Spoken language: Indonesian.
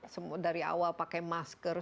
semua dari awal pakai masker